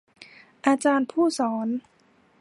อาจารย์ผู้สอน